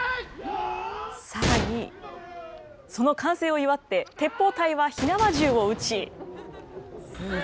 さらに、その完成を祝って鉄砲隊は火縄銃を撃ち。